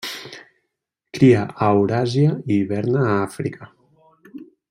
Cria a Euràsia i hiverna a Àfrica.